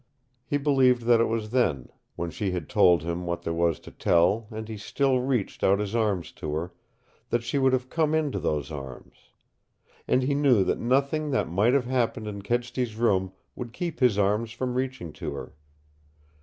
He believed that it was then when she had told him what there was to tell, and he still reached, out his arms to her that she would come into those arms. And he knew that nothing that might have happened in Kedsty's room would keep his arms from reaching, to her.